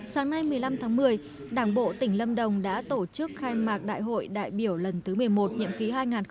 sáng nay một mươi năm tháng một mươi đảng bộ tỉnh lâm đồng đã tổ chức khai mạc đại hội đại biểu lần thứ một mươi một nhiệm ký hai nghìn hai mươi hai nghìn hai mươi năm